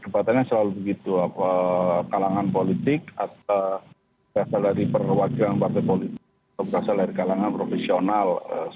kebatannya selalu begitu kalangan politik atau berasal dari perwakilan partai politik atau berasal dari kalangan profesional